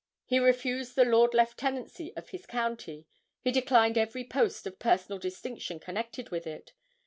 He refused the Lord Lieutenancy of his county; he declined every post of personal distinction connected with it.